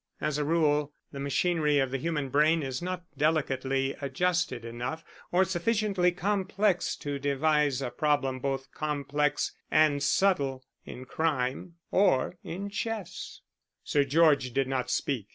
As a rule, the machinery of the human brain is not delicately adjusted enough, or sufficiently complex, to devise a problem both complex and subtle in crime or in chess." Sir George did not speak.